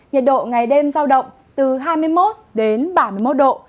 nhiệt độ ngày đêm giao động từ hai mươi một đến ba mươi một độ